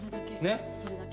それだけ。